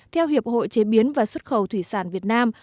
theo hiệp hội chế biến và xuất khẩu thủy sản việt nam